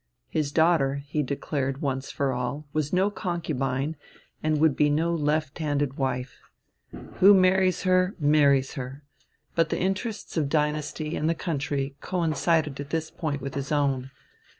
His daughter, he declared once for all, was no concubine, and would be no left handed wife. Who marries her, marries her.... But the interests of the dynasty and the country coincided at this point with his own.